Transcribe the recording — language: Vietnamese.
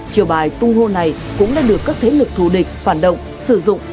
chiều bài tung hô này cũng đã được các thế lực thù địch phản động sử dụng